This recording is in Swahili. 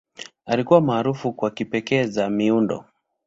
Alikuwa maarufu kwa kipekee za miundo.